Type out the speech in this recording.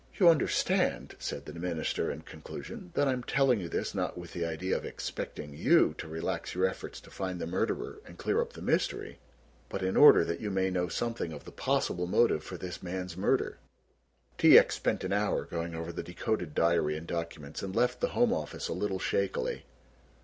You understand," said the Minister in conclusion, "that I am telling you this, not with the idea of expecting you, to relax your efforts to find the murderer and clear up the mystery, but in order that you may know something of the possible motive for this man's murder." T. X. spent an hour going over the decoded diary and documents and left the Home Office a little shakily.